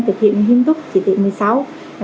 thực hiện nhiệm vụ chỉ tỉnh một mươi sáu